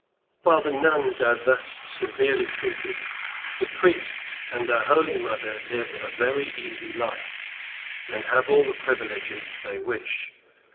While the nuns are thus severely treated, the priests, and the Holy Mother live a very easy life, and have all the privileges they wish.